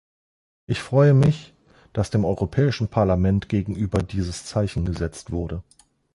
Ich freue mich, dass dem Europäischen Parlament gegenüber dieses Zeichen gesetzt wurde.